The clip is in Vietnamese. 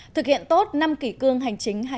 thực hiện tốt năm kỷ cương hành chính